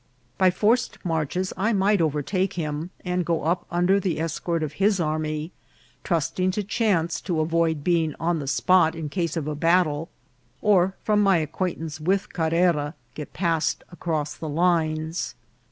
By forced marches I might overtake him, and go up under the escort of his army, trusting to chance to avoid being on the spot in case of a battle, or from my acquaintance with Carrera get passed across the lines.